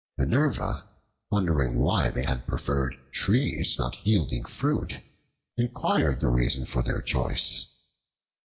Minerva, wondering why they had preferred trees not yielding fruit, inquired the reason for their choice.